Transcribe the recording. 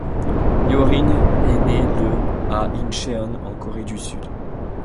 Hyorin est née le à Incheon en Corée du Sud.